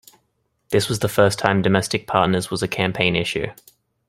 This was the first time domestic partners was a campaign issue.